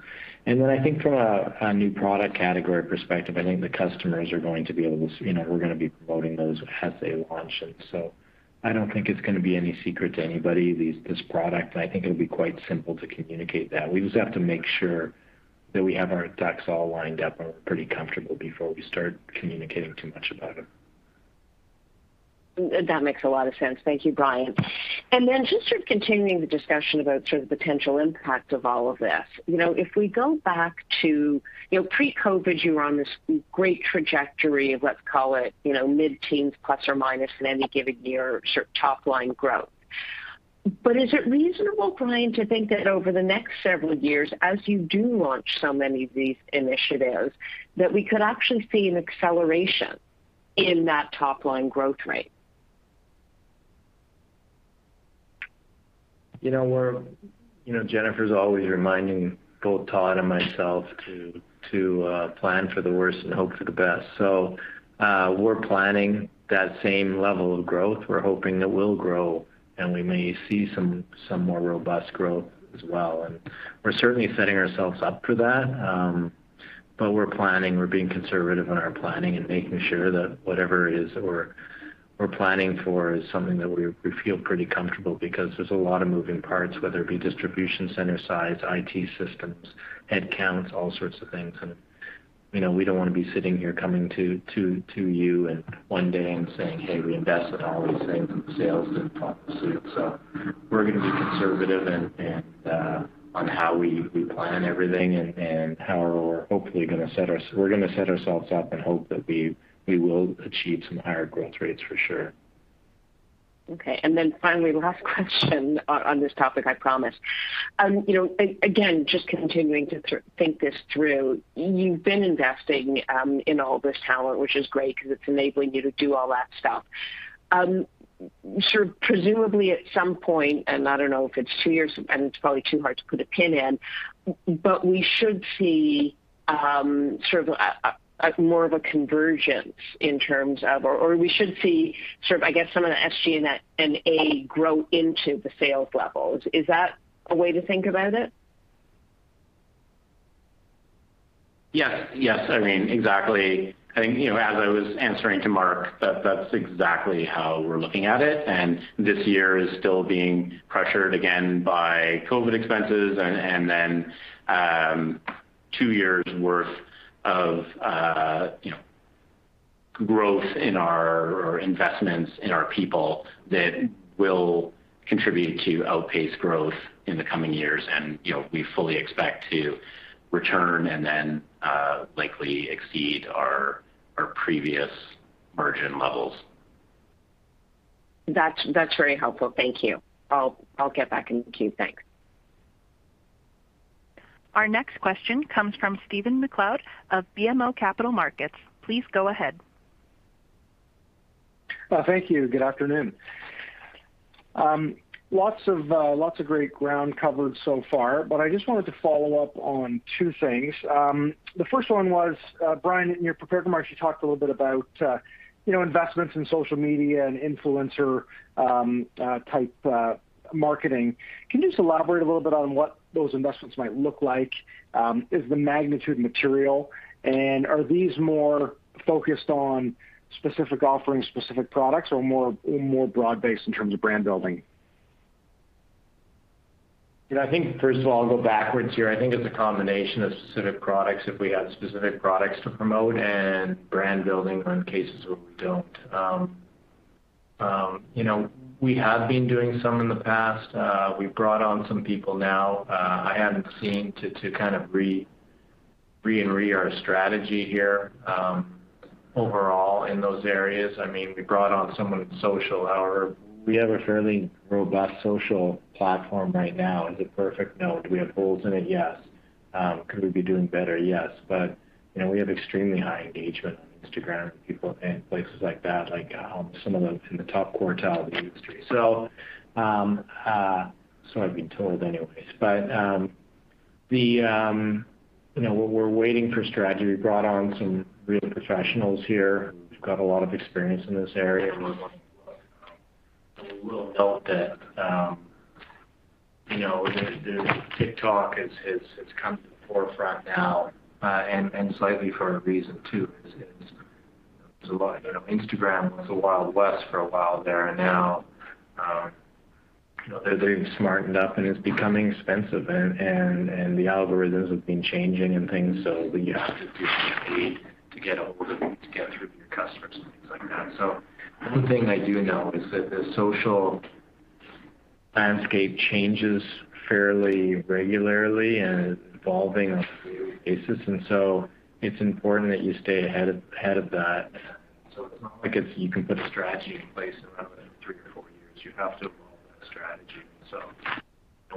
I think from a new product category perspective, I think the customers are going to be promoting those as they launch them. I don't think it's going to be any secret to anybody, this product. I think it'll be quite simple to communicate that. We just have to make sure that we have our ducks all lined up and we're pretty comfortable before we start communicating too much about it. That makes a lot of sense. Thank you, Brian. Then just sort of continuing the discussion about sort of potential impact of all of this. If we go back to pre-COVID, you were on this great trajectory of, let's call it, mid-teens, plus or minus in any given year, sort of top-line growth. Is it reasonable, Brian, to think that over the next several years, as you do launch so many of these initiatives, that we could actually see an acceleration in that top-line growth rate? Jennifer's always reminding both Todd and myself to plan for the worst and hope for the best. We're planning that same level of growth. We're hoping that we'll grow, and we may see some more robust growth as well. We're certainly setting ourselves up for that. We're planning, we're being conservative in our planning and making sure that whatever it is we're planning for is something that we feel pretty comfortable because there's a lot of moving parts, whether it be distribution center size, IT systems, headcounts, all sorts of things. We don't want to be sitting here coming to you one day and saying, "Hey, we invested all these sales." We're going to be conservative on how we plan everything and how we're hopefully going to set ourselves up and hope that we will achieve some higher growth rates for sure. Okay. Finally, last question on this topic, I promise. Again, just continuing to think this through. You've been investing in all this talent, which is great because it's enabling you to do all that stuff. Presumably at some point, and I don't know if it's two years, and it's probably too hard to put a pin in, but we should see more of a convergence in terms of, or we should see some of the SG&A grow into the sales levels. Is that a way to think about it? Yes. Exactly. As I was answering to Mark, that's exactly how we're looking at it, and this year is still being pressured again by COVID expenses and then two years' worth of growth in our investments in our people that will contribute to outpaced growth in the coming years. We fully expect to return and then likely exceed our previous margin levels. That's very helpful. Thank you. I'll get back in queue. Thanks. Our next question comes from Stephen MacLeod of BMO Capital Markets. Please go ahead. Thank you. Good afternoon. Lots of great ground covered so far. I just wanted to follow up on two things. The first one was, Brian, in your prepared remarks, you talked a little bit about investments in social media and influencer type marketing. Can you just elaborate a little bit on what those investments might look like? Is the magnitude material, and are these more focused on specific offerings, specific products, or more broad-based in terms of brand building? I think, first of all, I'll go backwards here. I think it's a combination of specific products if we have specific products to promote and brand building around cases where we don't. We have been doing some in the past. We've brought on some people now. I haven't seen to kind of re-and-re our strategy here overall in those areas. We brought on someone in social. We have a fairly robust social platform right now is a perfect note. Do we have holes in it? Yes. Could we be doing better? Yes. We have extremely high engagement on Instagram and places like that, like some of the top quartile in the industry. I've been told anyways. What we're waiting for strategy, we brought on some real professionals here who've got a lot of experience in this area. We're going to look a little bit that TikTok has come to the forefront now, and slightly for a reason, too. Instagram was the Wild West for a while there, and now they're smartening up, and it's becoming expensive, and the algorithms have been changing and things, so we have to pay to get a hold of it, to get through to customers and things like that. One thing I do know is that the social landscape changes fairly regularly, and it's evolving on a daily basis, and so it's important that you stay ahead of that. It's not like you can put a strategy in place and run it in three or four years. You have to roll with the strategy.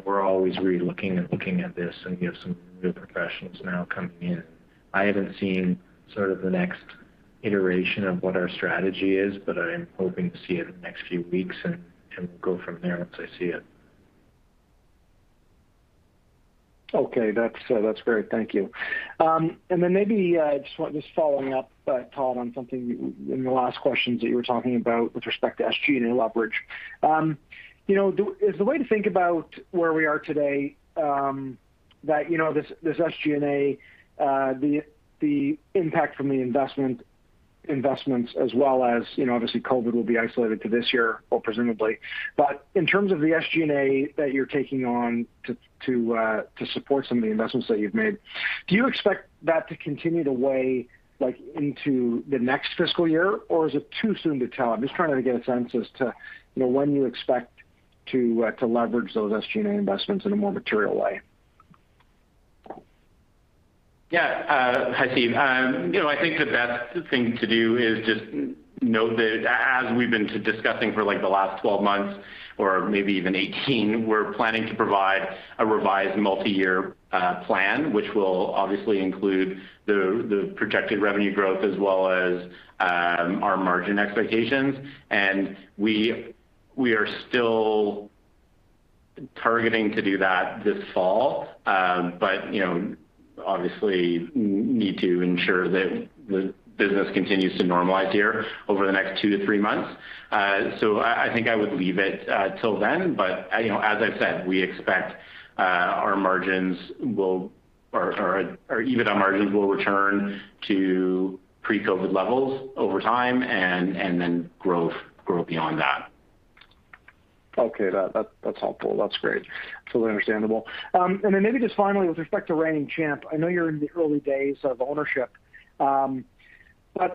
We're always re-looking and looking at this, and we have some new professionals now coming in. I haven't seen sort of the next iteration of what our strategy is, but I'm hoping to see it in the next few weeks and go from there once I see it. Okay, that's great. Thank you. Maybe just following up, Todd, on something in the last questions that you were talking about with respect to SG&A leverage. Is the way to think about where we are today that this SG&A, the impact from the investments as well as, obviously COVID-19 will be isolated to this year, well, presumably? In terms of the SG&A that you're taking on to support some of the investments that you've made, do you expect that to continue to weigh into the next fiscal year, or is it too soon to tell? I'm just trying to get a sense as to when you expect to leverage those SG&A investments in a more material way. Hi, Steve. I think the best thing to do is just note that as we've been discussing for the last 12 months, or maybe even 18, we're planning to provide a revised multi-year plan, which will obviously include the projected revenue growth as well as our margin expectations. We are still targeting to do that this fall. Obviously need to ensure that the business continues to normalize here over the next two-three months. I think I would leave it till then, but as I said, we expect our EBITDA margins will return to pre-COVID-19 levels over time and then grow beyond that. Okay. That's helpful. That's great. Totally understandable. Then maybe just finally, with respect to Reigning Champ, I know you're in the early days of ownership, but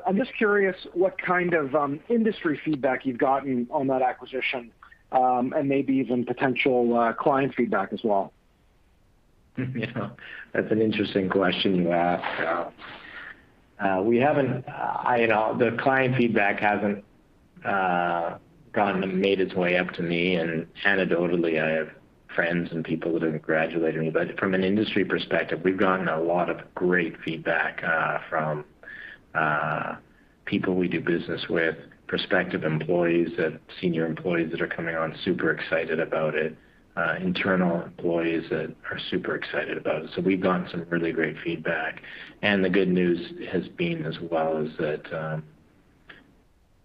I'm just curious what kind of industry feedback you've gotten on that acquisition and maybe even potential client feedback as well? That's an interesting question you ask. The client feedback hasn't made its way up to me and anecdotally, I have friends and people who have graduated. From an industry perspective, we've gotten a lot of great feedback from people we do business with, prospective employees, senior employees that are coming on, super excited about it, internal employees that are super excited about it. We've gotten some really great feedback. The good news has been as well is that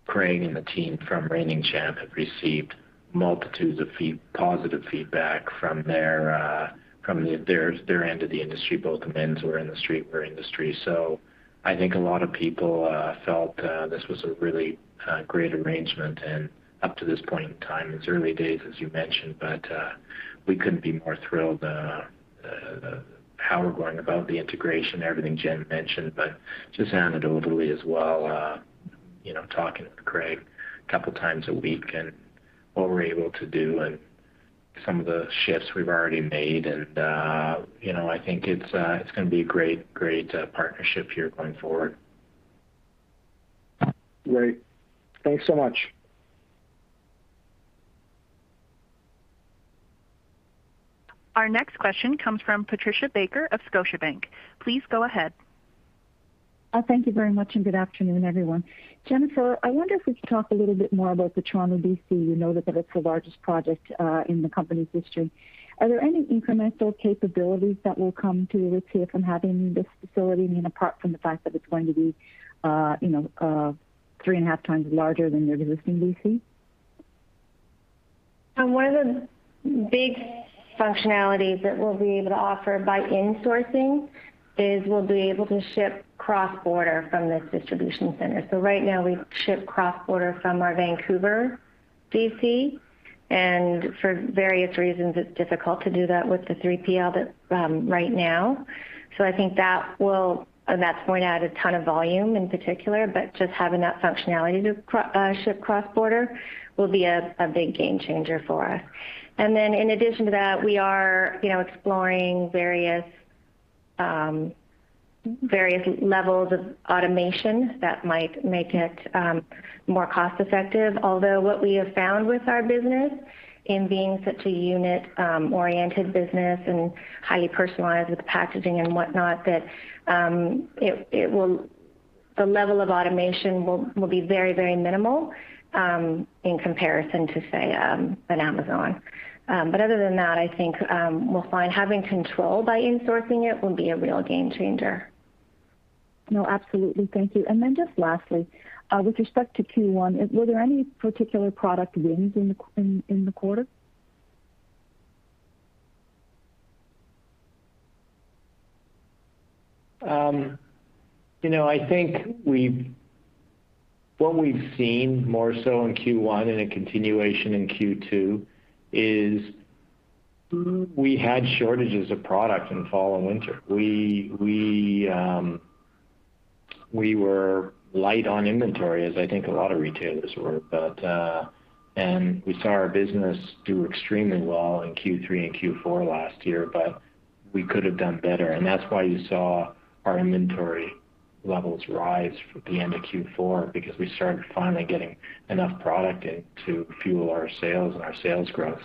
Craig and the team from Reigning Champ have received multitudes of positive feedback from their end of the industry, both men's wear and the streetwear industry. I think a lot of people felt this was a really great arrangement. Up to this point in time, it's early days, as you mentioned, but we couldn't be more thrilled how we're going about the integration, everything Jen mentioned. Just anecdotally as well, talking to Craig couple times a week and what we're able to do and some of the shifts we've already made, and I think it's going to be a great partnership here going forward. Great. Thanks so much. Our next question comes from Patricia Baker of Scotiabank. Please go ahead. Thank you very much and good afternoon, everyone. Jennifer, I wonder if we could talk a little bit more about the Toronto DC. We know that it's the largest project in the company's history. Are there any incremental capabilities that will come to Aritzia from having this facility, apart from the fact that it's going to be three and a half times larger than your existing DC? One of the big functionalities that we'll be able to offer by insourcing is we'll be able to ship cross-border from this distribution center. Right now, we ship cross-border from our Vancouver DC, and for various reasons, it's difficult to do that with the 3PL right now. I think that's going to add a ton of volume in particular, but just having that functionality to ship cross-border will be a big game changer for us. In addition to that, we are exploring various levels of automation that might make it more cost effective. Although what we have found with our business, in being such a unit-oriented business and how you personalize the packaging and whatnot, that the level of automation will be very minimal in comparison to, say, an Amazon. Other than that, I think we'll find having control by insourcing it will be a real game changer. No, absolutely. Thank you. Just lastly, with respect to Q1, were there any particular product wins in the quarter? I think what we've seen more so in Q1 and a continuation in Q2 is we had shortages of product in the fall and winter. We were light on inventory as I think a lot of retailers were. We saw our business do extremely well in Q3 and Q4 last year, but we could've done better. That's why you saw our inventory levels rise at the end of Q4 because we started finally getting enough product in to fuel our sales and our sales growth.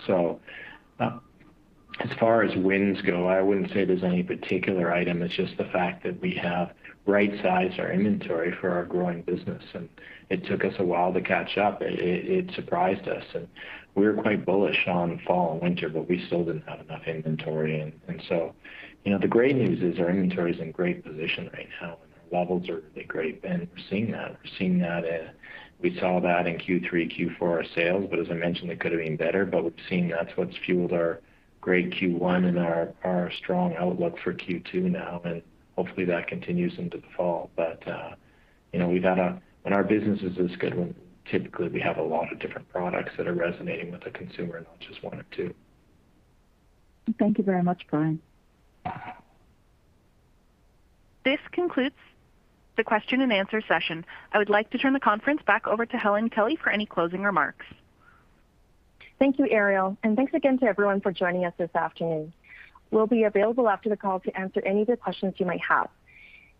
As far as wins go, I wouldn't say there's any particular item. It's just the fact that we have right-sized our inventory for our growing business, and it took us a while to catch up. It surprised us, and we were quite bullish on fall and winter, but we still didn't have enough inventory. The great news is our inventory's in great position right now, and our levels are really great, and we're seeing that. We saw that in Q3, Q4, our sales, but as I mentioned, it could've been better, but we've seen that's what's fueled our great Q1 and our strong outlook for Q2 now, and hopefully that continues into the fall. When our business is this good, typically we have a lot of different products that are resonating with the consumer, not just one or two. Thank you very much. Bye. This concludes the question and answer session. I would like to turn the conference back over to Helen Kelly for any closing remarks. Thank you, Ariel, and thanks again to everyone for joining us this afternoon. We'll be available after the call to answer any of the questions you might have.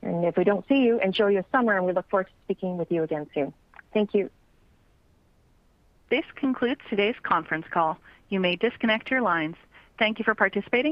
If we don't see you, enjoy your summer, and we look forward to speaking with you again soon. Thank you. This concludes today's conference call. You may disconnect your lines. Thank you for participating.